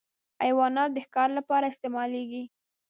حیوانات د ښکار لپاره استعمالېږي.